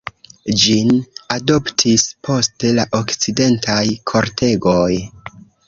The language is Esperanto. Ĝin adoptis poste la okcidentaj kortegoj.